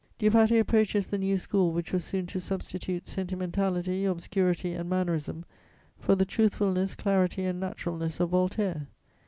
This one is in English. _ Dupaty approaches the new school which was soon to substitute sentimentality, obscurity and mannerism for the truthfulness, clarity and naturalness of Voltaire.